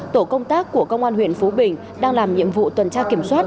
tổ công tác của công an huyện phú bình đang làm nhiệm vụ tuần tra kiểm soát